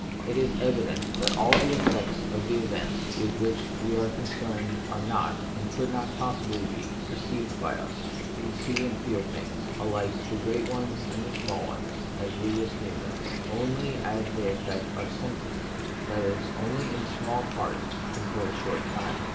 It is evident that all the effects of the events / with which we are concerned are not, and could not possibly be, perceived by us. We see and feel things — alike the great ones and the small ones, as we esteem them — only as they affect our senses ; that is, only in small part and for a short time.